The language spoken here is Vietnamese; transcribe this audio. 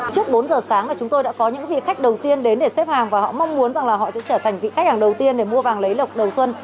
trước bốn giờ sáng là chúng tôi đã có những vị khách đầu tiên đến để xếp hàng và họ mong muốn rằng là họ sẽ trở thành vị khách hàng đầu tiên để mua vàng lấy lọc đầu xuân